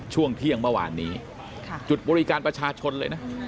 ช่วงเที่ยงเมื่อวานนี้จุดบริการประชาชนเลยนะ